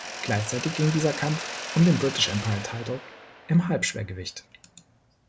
Gleichzeitig ging dieser Kampf um den British Empire Title im Halbschwergewicht.